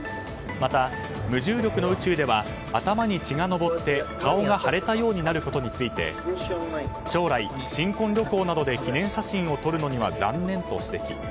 また、無重力の宇宙では頭に血が上って顔が腫れたようになることについて将来、新婚旅行などで記念撮影を撮るのには残念と指摘。